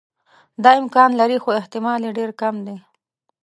دا امکان لري خو احتمال یې ډېر کم دی.